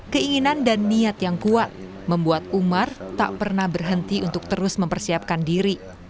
keinginan dan niat yang kuat membuat umar tak pernah berhenti untuk terus mempersiapkan diri